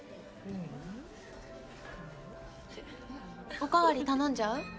お代わり頼んじゃう？